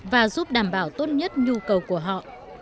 và giúp đảm bảo tốt nhất nhu cầu của họ